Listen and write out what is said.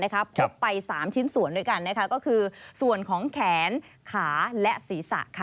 พบไป๓ชิ้นส่วนด้วยกันก็คือส่วนของแขนขาและศีรษะ